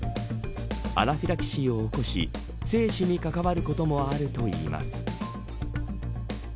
アナフィラキシーを起こし生死に関わることもあるといいます。